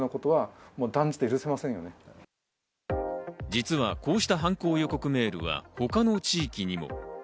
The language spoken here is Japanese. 実はこうした犯行予告メールは他の地域にも。